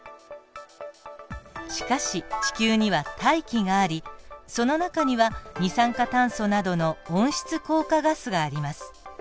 しかし地球には大気がありその中には二酸化炭素などの温室効果ガスがあります。